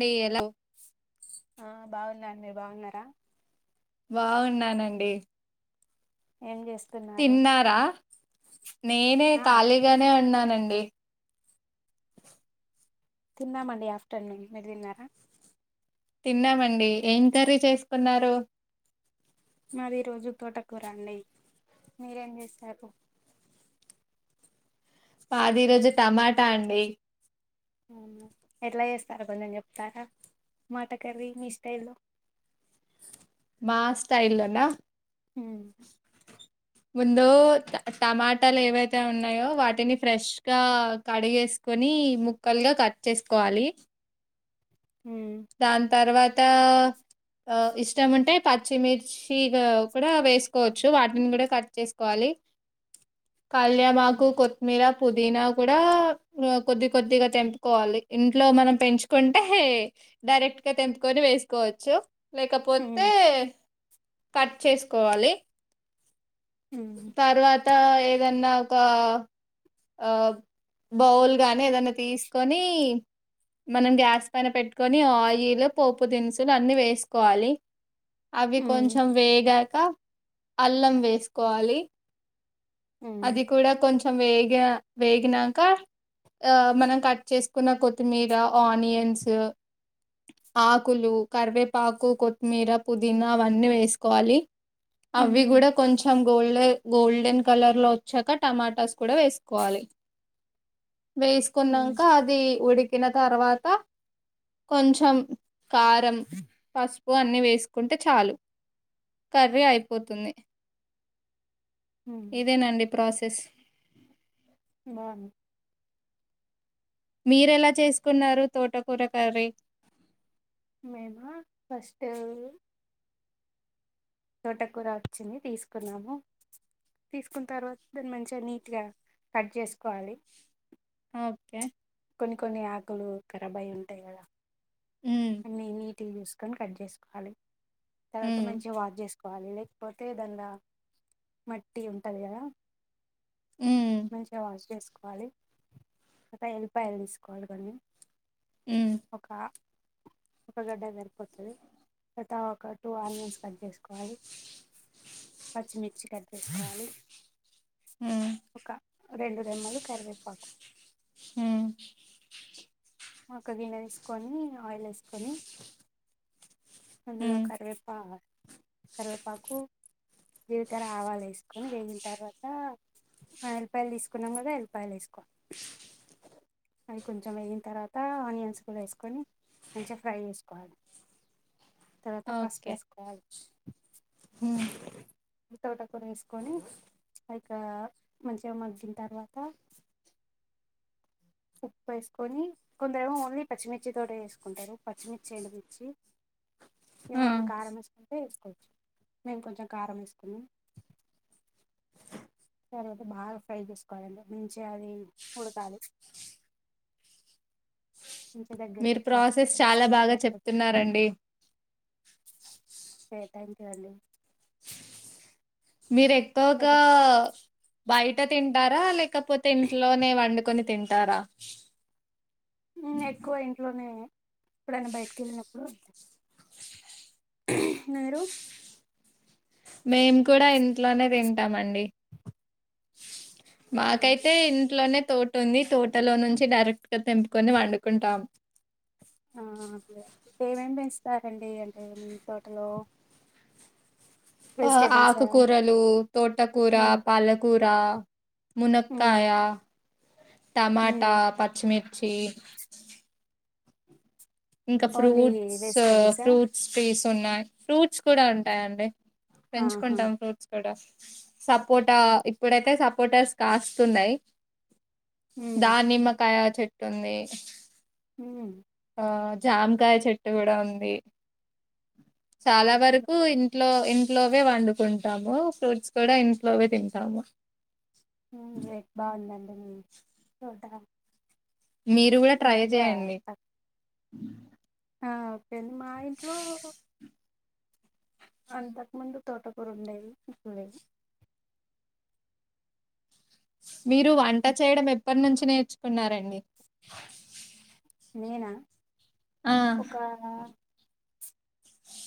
నియలా ఆ బాగున్నా అండి మీరు బాగున్నారా బాగున్నానండి ఏం చేస్తా తిన్నారా నేనే ఆ ఖాళీగానే ఉన్నానండి తిన్నమండి ఆఫ్టర్నూన్ మీరు తిన్నారా తిన్నామండి ఏం కర్రి చేసుకున్నారు మాది ఈ రోజు తోటకుర రండి మీరేం చేశారు పాది ఈ రోజు టమాటా అండి వు ఎట్లా చేస్తారో కొంచెం చెప్తారా మాట కర్రీ మీ స్టైల్లో మా స్టయిల్ లోన హ్మ్మ్ ముందు టమాటాలు ఏవైతే ఉన్నాయో వాటిని ఫ్రెష్గా కడిగేసు కొని ముక్కలుగా కట్ చేసుకోవాలి హ్మ్ దాని తర్వాత ఆ ఇష్టం అంటే పచ్చిమిర్చిగా కూడా వేసుకోవచ్చు వాటిని కూడా కట్ చేసుకోవాలి హ్మ్ కాళ్యామాకు కొత్మీర పుదీనా కూడా కొద్ది కొద్దిగా తెంపుకోవాలి ఇంట్లో మనం పెంచుకుంటే డైరెక్ట్ గా తెంపుకొని వేసుకోవచ్చు లేకపోతే కట్ చేసుకోవాలి హ్మ్ తర్వాత ఏదన్నా ఒక ఆ బౌల్ గానీ ఏదన్నా తీసుకొని మనం గ్యాస్ పైన పెట్టుకొని ఆయిల్ పోపు దినుసులు అన్ని వేసుకోవాలి అవి హ్మ్ కొంచెం వేగాక అల్లం వేసుకోవాలి హ్మ్ అది కూడా కొంచెం వేగ వేగినాక ఆ మనం కట్ చేసుకున్న కొత్తిమీర ఆనియన్స్ ఆకులు కరివేపాకు కొత్మీర పుదీనా అవన్నీ వేసుకోవాలి అవి హ్మ్ కూడా కొంచెం గోల్డె గోల్డెన్ కలర్ లో వచ్చాక టమాటాస్ కూడా వేసుకోవాలి హ్మ్ వేసుకున్నాక అది ఉడికిన తర్వాత కొంచెం కారం పసుపు అన్ని వేసుకుంటే చాలు కర్ర్రి అయిపోతుంది హ్మ్ ఇదేనండి ప్రాసెస్ బాగుంది మీరెలా చేసుకున్నారు తోటకూర కర్రీ మేమా ఫస్ట్ తోటకూర వచ్చింది తీసుకున్నాము తీసుకున్న తర్వాత దాన్ని మంచిగా నీట్గా కట్ చేసుకోవాలి ఓకే కొన్ని కొన్ని ఆకులు ఖరాబ్ అయి ఉంటాయి కదా హ్మ్. అన్ని నీ ట్ గా చూసుకని కట్ చేసుకోవాలి తర్వాత హ్మ్. మంచిగా వాష్ చేసు కోవాలి లేకపోతే [unintelligible] మట్టి ఉంటది కదా హ్మ్. మంచిగా వాష్ చేసుకోవాలి [unintelligible] పాయలు తీసుకోవాలి కదండి హ్మ్. ఒక ఒక గడ్డ సరిపోతది [unintelligible] ఒక టూ ఆనియన్స్ కట్ చేసుకోవాలి. పచ్చిమిర్చి కట్ చేసుకోవాలి హ్మ్. ఒక రెండు రెమ్మలు కరివేపాకు మ్మ్ ఒక్క గిన్నె తీసుకొని ఆయిల్ వేసుకొని అందులో హ్మ్. కరేపాకు కరివేపాకు జీలకర, ఆవాలు వేసుకొని వేగిన తర్వాత ఆఎల్లిపాయలు తీసుకున్నాం కదా ఎల్లిపాయలు తీసుకో అవి కొంచెం వేగిన తర్వాత ఆనియన్స్ కూడా వేసుకొని మంచిగా ఫ్రై చేసుకోవాలి తర్వాత పసుపు వేసుకోవాలి మ్మ్ తోటకూర వేసుకొని ఆ మంచిగా మగ్గిన తర్వాత ఉప్పు వేసుకొని కొందరేమో ఓన్లీ పచ్చిమిర్చి తోట వేసుకుంటారు పచ్చిమిర్చి, ఎండుమిర్చ్ ఆ! ఏమన్న కారం వేసుకుంటే వేసుకోవచ్చు మేము కొంచెం కారం వేసుకున్నాం తరవాతే బాగా ఫ్రై చేసుకోవాలండి మంచిగా అది ఉడకాలి మంచిగా దగ్గరికి మీరు వచ్చే వరకు ప్రాసెస్ ఫ్రై చాలా చేసుకుంటే బాగా సరిపోతుంది చెప్తున్నారండి థ్యాంక్ యూ అండి మీరు ఎక్కువగా తర్వాత బయట తింటారా లే కపోతే ఇంట్లోనే వండుకొని తింటారా నేను ఎక్కువ ఇంట్లోనే ఎప్పుడన్న బయటకి వెళ్ళినప్పుడు అంతే మీరు మేము కూడా ఇంట్లోనే తింటామండి మాకైతే ఇంట్లోనే తోట ఉంది తోటలో నుంచి డైరెక్ట్ గా తెంపుకొని వండుకుంటాం ఆ ఏమేం పెంచుతారండి అంటే మీ తోటలో ఆ వెజిటేబుల్సా ఆకుకూరలు, తోటకూర, హ్మ్ పాలకూర హ్మ్ మునక్కాయా టమాటా, హ్మ్ పచ్చిమిర్చి ఇంకా ఓన్లీ ఫ్రూట్స్, వెజిటేబుల్సా ఫ్రూట్స్ ట్రీస్ ఉన్నాయి ఫ్రూట్స్ కూడా ఉంటాయండి ఆహా పెంచుకుంటాం ఫ్రూట్స్ కూడా సపోటా ఇప్పుడైతే సపోటాస్ కాస్తున్నాయ్ హ్మ్ దానిమ్మకాయ చెట్టు ఉంది హ్మ్ ఆ జామకాయ చెట్టు కూడా ఉంది చాలా వరకు ఇంట్లో ఇంట్లోవే వండుకుంటాము ఫ్రూట్స్ కూడా ఇంట్లోవే తింటాము రేట్ బాగుందండి మీ [unintelligible] మీరు కూడా ఈ ట్రై మధ్య చేయండి తక్ ఆ ఓకే అండి మా ఇంట్లో అంతకు ముందు తోటకూర ఉండేవి ఇప్పుడు లేవు మీరు వంట హ్మ్. చేయడం, ఎప్పటి నుంచి నేర్చుకున్నారండి? నేనా ఆ ఓకా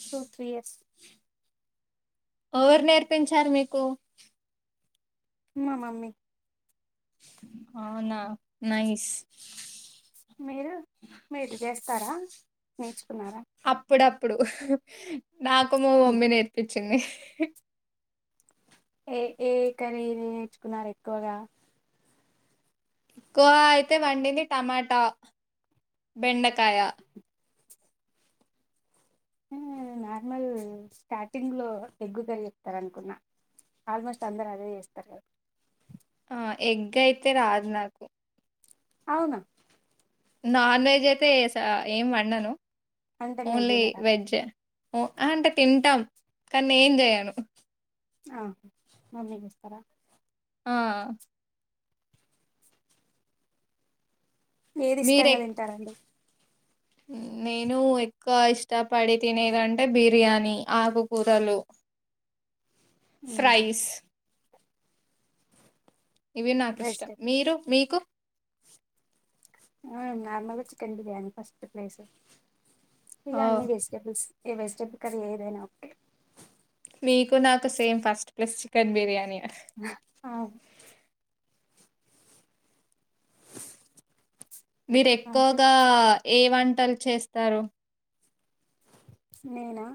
టూ త్రీ ఇయర్స్ వోవర్ నేర్పించారు మీకు? మా మమ్మీ అవునా నైస్ మీరు మీరిది చేస్తారా నేర్చుకున్నారా? అప్పుడప్పుడు, నాకు మా హ్మ్. మమ్మీ నేర్పించిన్ది. ఏ ఏ కర్రీ నేర్చుకున్నారు ఎక్కువగా? ఎక్కువ అయితే వండింది. టమాటా, బెండకాయ ఉమ్ నార్మల్ స్టార్టింగ్లో ఎగ్గు కర్రీ చెప్తారనుకున్నా. ఆల్మోస్ట్ అందరదే చేస్తారు గద్ ఆ ఎగ్ అయితే రాదు నాకు. అవునా నాన్ వెజ్ అయితే ఏ స ఏం వండాను. అంటే మీరు ఓన్లీ తినరా వెజే ఓ అ అంటే తింటాం. కానీ నేన్ చెయ్యను. ఆ మమీ చేస్తారా? ఆ ఏది మీరే ఇష్టంగా తింటారండి? నేను ఎక్కువ ఇష్టపడి తినేదంటే. బిర్యానీ, ఆకుకూరలు, ఫ్రైస్ ఇవి నాకు ఇష్టం. వెజిటేబుల్ మీరు మీకు? నార్మల్గా చికెన్ బిర్యానీ ఫస్ట్ ప్లేస్, ఓ ఇగాన్ని వెజిటబుల్స్. ఈ వెజిటేబుల్ కర్రీ ఏదైనా ఒకే మీకు నాకు సేమ్ ఫస్ట్ ప్లస్ చికెన్ బిర్యానీయే. ఆ! మీరు ఎక్కువగా ఆల్మోస్ట్ ఏ వంటలు చేస్తారు? ప్చ్ నేనా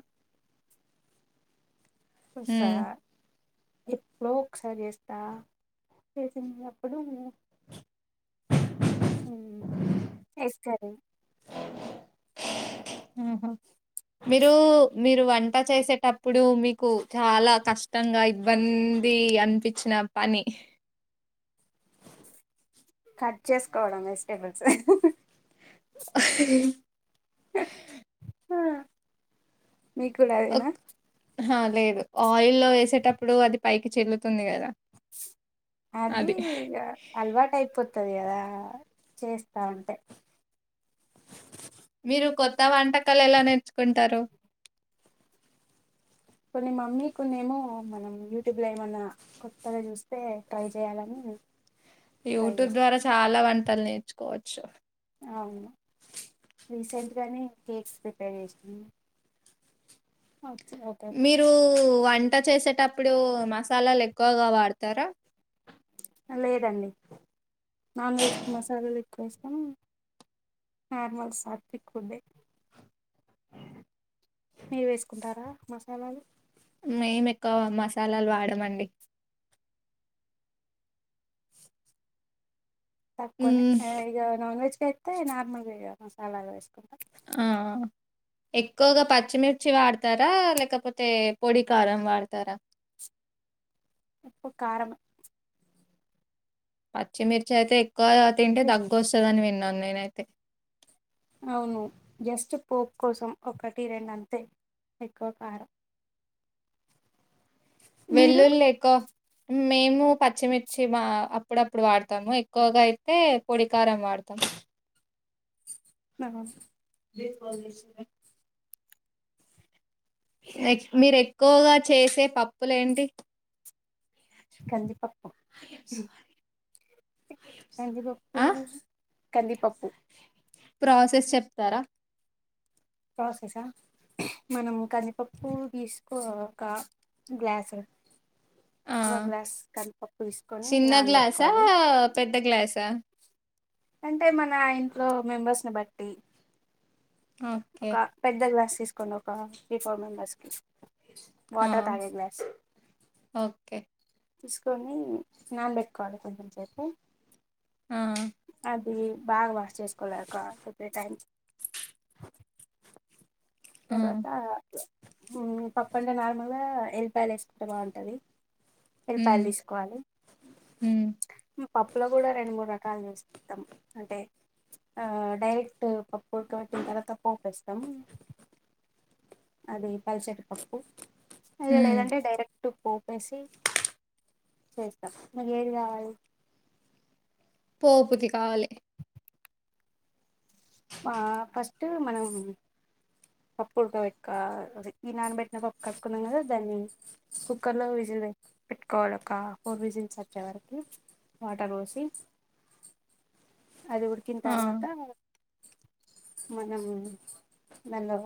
పుస్సా ఉమ్ ఎప్పుడో ఒకసారి చేస్తా, చేసినప్పుడు ఉమ్ చేస్తది ఆహా మీరు మీరు వంట చేసేటప్పుడు. మీకు చాలా కష్టంగా, ఇబ్బంద్ ది అనిపించిన పని కట్ చేసుకోవడం. వెజిటేబుల్స్ ఆ ఆ మీకుడాదేనా? ఆ లేదు. ఆయిల్లో వేసేటప్పుడు అది పైకి చిల్లుతుంది గదా. అది ఇగ అలవాటయిపోతది గాదా. చేస్తా ఉంటే మీరు కొత్త వంటకాలు ఎలా నేర్చుకుంటారు. కొన్ని మమ్మీ, కొన్ని ఏమో మనం యూట్యూబ్లో ఏమన్నా కొత్తగా చూస్తే, ట్రై చేయాలని, ట్రై యూట్యూబ్ చేస్తా ద్వారా చాలా వంటలు నేర్చుకోవచ్చు. అవును రీసెంట్గానేన్ కేక్స్ ప్రిపేర్ చేసాను. ఆ మీరు వంట చేసేటప్పుడు, మసాలాలు ఎక్కువగా వాడతారా? ఆ లేదండి. నాన్ వెజ్కి మసాలాలు ఎక్కువేస్తాం. నార్మల్ సాత్విక్ ఫుడే మీరు వేసుకుంటారా? మసాలాలు. మేం ఎక్కువ మసాలాలు వాడామండి. తక్కువ్నే. మ్మ్, ఆ ఇగ నాన్ వెజ్గాయితే నార్మల్గా ఇగా మసాలాల్ వేసుకుంటం. ఆ ఎక్కువగా పచ్చిమిర్చి వాడతారా లేకపోతే పొడి కారం వాడతారా ఉప్పు కారమే పచ్చిమిర్చి అయితే ఎక్కువ తింటే తగ్గ జస్ట్ వస్తుందని విన్నాను నేనైతే అవున జస్ట్ పోప్ కోసం ఒకటి రెండంతే ఎక్కువ కారం మీరు వెళ్ళుల్లి ఎక్కువ మేము పచ్చిమిర్చి బ అప్పుడప్పుడు వాడతాము ఎక్కువగా అయితే పొడికారం వాడుతాము [inaudible] ఆహా [inaudible] ఎక్ మీరు ఎక్కువగా చేసే పప్పులేంటి కందిపప్పు హాలీమ్ సుహారి కందిీపప్పు ప్రాసెస్ చెప్తారా ప్రాసెసా మనం కందిపప్పు తీసుకో ఒక గ్లాసు ఆ తీసుకొని చిన్న గ్లాసా నానబెట్టుకోవాలి పెద్ద గ్లాసా అంటే మన ఇంట్లో మెంబర్స్ని బట్టి ఓకే ఒక పెద్ద గ్లాస్ తీసుకోండి ఒక త్రీ ఫోర్ మెంబర్స్కి ఆ వాటర్ తాగే గ్లాస్ ఓకే తీసుకొని నాన్బెట్టుకోవాలి కొద్దిగసేపు ఆ అది బాగా వాష్ చేసుకోవాలే ఒక ఫిఫ్టీ టైంస్ ఆ తర్వాత ఉమ్ పప్పుంటే నార్మల్గా ఎల్లిపాయలు వేసుకుంటే బాగుంటది ఎల్లిపాయలు హ్మ్ తీసుకోవాలి హ్మ్ పప్పులో కూడా రెండు మూడు ర కాల్ చేస్కుంటాం అంటే ఆ డైరెక్ట్ పప్పు ఉడుకపెట్టిన తర్వాతపోపేస్తాం అది పల్సటి పప్పు ఇది హ్మ్ లేదంటే డైరెక్ట్ ట్టు పోపేసి చేస్తం నీకేది కావాలి పోపుది కావాలి ఆ ఫస్ట్ మనం పప్పు ఉడకబెట్టుకోవలి ఈ నానబెట్న పప్పు కట్టుకున్నాం కదా దాన్ని కుక్కర్లో విజిల్ పెట్టుకోవాలి ఒక ఫోర్ విజిల్స్ వచ్చే వరకి వాటర్ పోసి అది ఉడికిన ఆ తర్వాత మనం దాన్లో